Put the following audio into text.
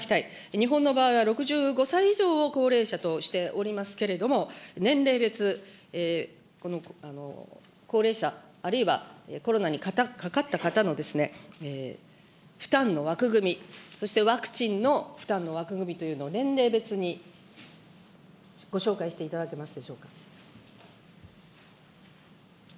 日本の場合は６５歳以上を高齢者としておりますけれども、年齢別、この高齢者、あるいはコロナにかかった方の負担の枠組み、そしてワクチンの負担の枠組みというのを年齢別にご紹介していただけますでしょうか。